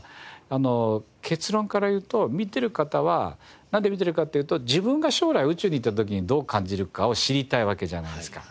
結論から言うと見てる方はなんで見てるかっていうと自分が将来宇宙に行った時にどう感じるかを知りたいわけじゃないですか。